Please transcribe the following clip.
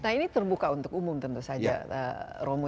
nah ini terbuka untuk umum tentu saja romo